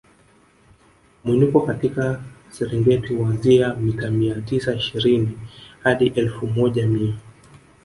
Mwinuko katika Serengeti huanzia mita mia tisa ishirini hadi elfu moja mia